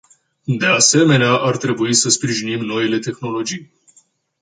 De asemenea, ar trebui să sprijinim noile tehnologii.